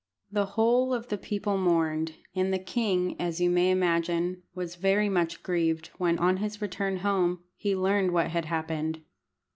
The whole of the people mourned, and the king, as you may imagine, was very much grieved when, on his return home, he learned what had happened.